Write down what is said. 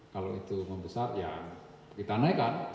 kalau itu membesar ya kita naikkan